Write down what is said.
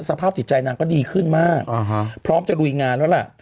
สภาพจิตใจนางก็ดีขึ้นมากพร้อมจะลุยงานแล้วล่ะ